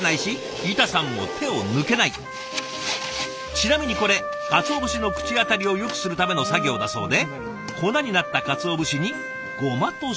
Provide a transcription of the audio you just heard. ちなみにこれかつお節の口当たりをよくするための作業だそうで粉になったかつお節にごまとしょうゆで味付け。